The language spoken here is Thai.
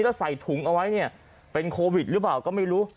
แล้วใส่ถุงเอาไว้เนี่ยเป็นโควิดหรือเปล่าก็ไม่รู้